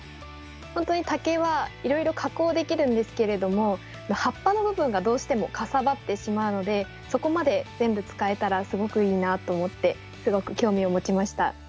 本当に竹はいろいろ加工できるんですけれども葉っぱの部分がどうしてもかさばってしまうのでそこまで全部使えたらすごくいいなと思ってすごく興味を持ちました。